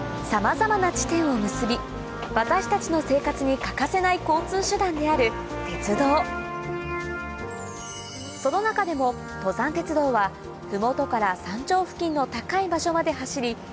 さまざまな地点を結び私たちの生活に欠かせない交通手段である鉄道その中でも登山鉄道は麓から山頂付近の高い場所まで走り